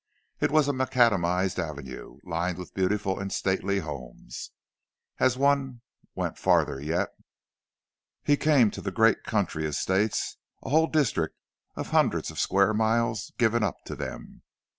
It was a macadamized avenue, lined with beautiful and stately homes. As one went farther yet, he came to the great country estates—a whole district of hundreds of square miles given up to them.